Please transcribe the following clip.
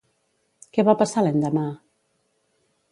Què va passar l'endemà?